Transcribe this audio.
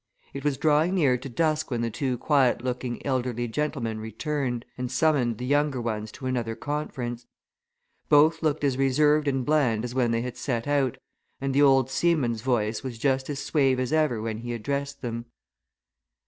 It was drawing near to dusk when the two quiet looking, elderly gentlemen returned and summoned the younger ones to another conference. Both looked as reserved and bland as when they had set out, and the old seaman's voice was just as suave as ever when he addressed them.